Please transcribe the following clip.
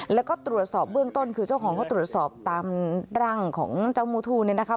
แล้วก็ตรวจสอบเบื้องต้นคือเจ้าของเขาตรวจสอบตามร่างของเจ้ามูทูเนี่ยนะคะ